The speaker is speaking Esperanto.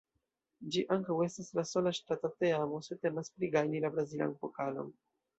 Ĝi ankaŭ estas la sola ŝtata teamo se temas pri gajni la Brazilan Pokalon.